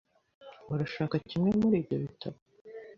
Urashaka kimwe muri ibyo bitabo?